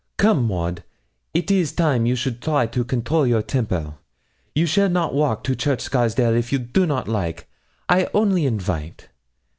'Come, Maud, it is time you should try to control your temper. You shall not walk to Church Scarsdale if you do not like I only invite.